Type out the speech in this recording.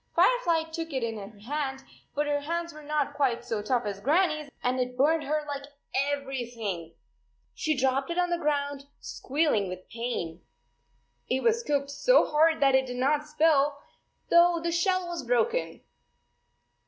Firefly took it in her hand, but her hands were not quite so tough as Grannie s and it burned her like 21 everything ! She dropped it on the ground, squealing with pain. It was cooked so hard that it did not spill, though the shell was broken.